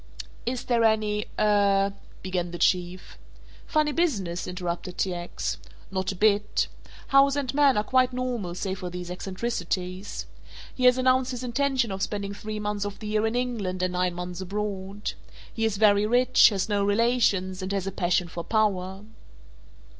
"Is there any er ?" began the Chief. "Funny business?" interrupted T. X., "not a bit. House and man are quite normal save for these eccentricities. He has announced his intention of spending three months of the year in England and nine months abroad. He is very rich, has no relations, and has a passion for power."